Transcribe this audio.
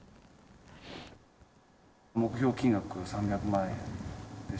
目標金額３００万円でしたよね？